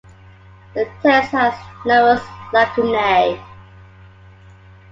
The text has numerous lacunae.